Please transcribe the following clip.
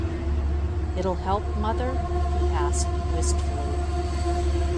“It’ll help, mother?” he asked wistfully.